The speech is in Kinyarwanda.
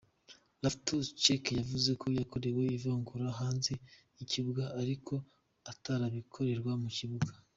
Loftus-Cheek yavuze ko yakorewe ivangura hanze y'ikibuga ariko ko atararikorerwa mu kibuga.